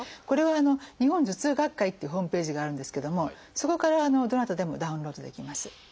これは日本頭痛学会っていうホームページがあるんですけどもそこからどなたでもダウンロードできます。